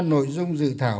nội dung dự thảo